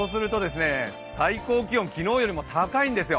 最高気温、昨日よりも高いんですよ